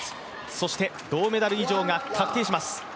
そして、銅メダル以上が確定します。